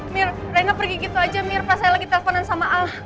mir reina pergi gitu aja mir pas saya lagi telponan sama al